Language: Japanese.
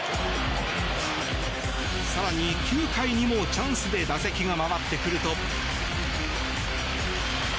更に９回にもチャンスで打席が回ってくると。